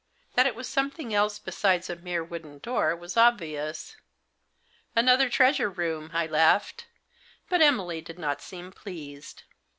That it was something else besides a mere wooden door was obvious. " Another treasure room !" I laughed. But Emily did not seem pleased.